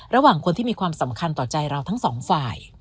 ระหว่างคนที่มีความสำคัญต่อใจเราทั้งสองฝ่าย